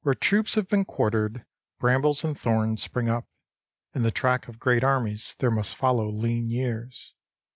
Where troops have been quartered, brambles and thorns spring up. In the track of great armies there must follow lean years.